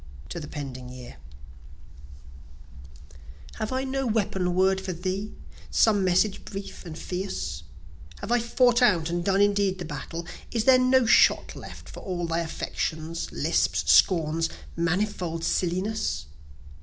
To the Pending Year Have I no weapon word for thee some message brief and fierce? (Have I fought out and done indeed the battle?) Is there no shot left, For all thy affectations, lisps, scorns, manifold silliness?